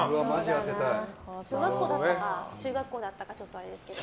小学校だったか中学校だったかはあれですけど。